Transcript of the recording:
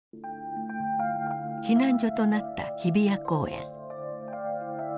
避難所となった日比谷公園。